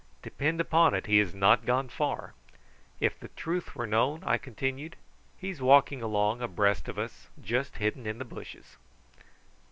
"Depend upon it he has not gone far. If the truth were known," I continued, "he's walking along abreast of us, just hidden in the bushes."